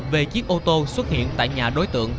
về chiếc ô tô xuất hiện tại nhà đối tượng